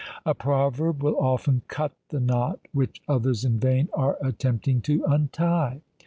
A proverb will often cut the knot which others in vain are attempting to untie.